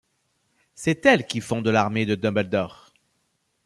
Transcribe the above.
C'est elle qui fonde l'armée de Dumbledore.